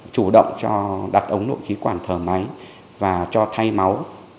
chủ động cho đặt ống nội khí quản thở máy và cho thay máu